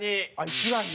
１番に？